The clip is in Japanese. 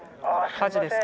火事ですか？